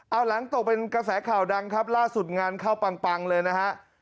เอาหลังตกเป็นกระแสข่าวดังครับล่าสุดงานเข้าปังเลยนะฮะ